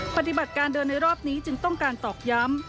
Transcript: ปฏิบัติการเดินในรอบนี้จึงต้องการตอกย้ำ